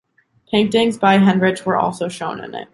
Paintings by Hendrich were also shown in it.